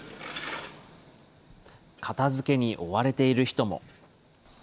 片づけに追われている人も。